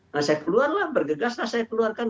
nah saya keluar lah bergegas lah saya keluar kan